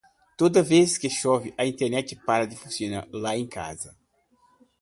Toda vez que chove a Internet para de funcionar lá em casa.